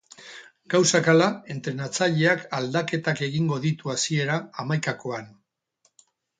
Gauzak hala, entrenatzaileak aldaketak egingo ditu hasiera hamaikakoan.